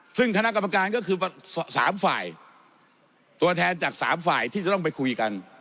ซึ่งคณะกรรมการก็คือ๓ฝ่ายตัวแทนจากสามฝ่ายที่จะต้องไปคุยกัน